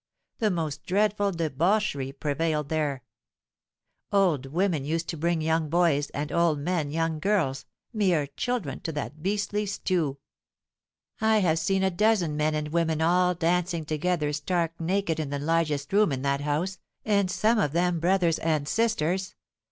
The most dreadful debauchery prevailed there. Old women used to bring young boys, and old men young girls—mere children,—to that beastly stew. I have seen a dozen men and women all dancing together stark naked in the largest room in that house; and some of them brothers and sisters!